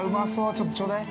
ちょっとちょうだい。